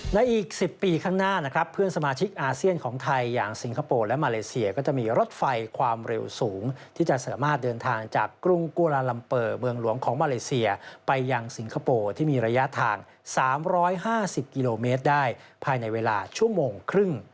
อีก๑๐ปีข้างหน้านะครับเพื่อนสมาชิกอาเซียนของไทยอย่างสิงคโปร์และมาเลเซียก็จะมีรถไฟความเร็วสูงที่จะสามารถเดินทางจากกรุงกุลาลัมเปอร์เมืองหลวงของมาเลเซียไปยังสิงคโปร์ที่มีระยะทาง๓๕๐กิโลเมตรได้ภายในเวลาชั่วโมงครึ่ง